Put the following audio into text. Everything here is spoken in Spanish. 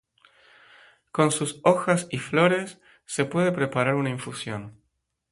Con sus hojas y flores se puede preparar una infusión.